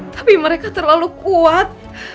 tapi mereka terlalu kuat